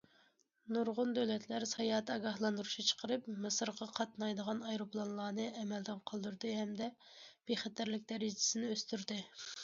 نۇرغۇن دۆلەتلەر ساياھەت ئاگاھلاندۇرۇشى چىقىرىپ، مىسىرغا قاتنايدىغان ئايروپىلانلارنى ئەمەلدىن قالدۇردى ھەمدە بىخەتەرلىك دەرىجىسىنى ئۆستۈردى.